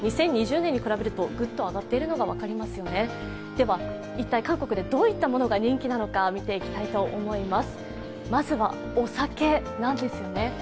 では一体韓国でどういったものが人気なのか見ていきたいと思います。